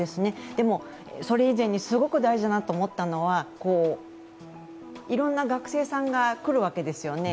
でも、それ以前にすごく大事だなと思ったのがいろいろな学生さんが来るわけですよね。